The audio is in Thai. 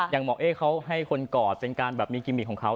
อย่างหมอเอ๊เขาให้คนกอดเป็นการแบบมีกิมมิกของเขา